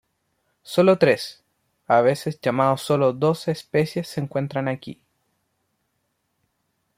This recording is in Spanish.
Sólo tres, a veces llamado sólo dos especies se encuentran aquí.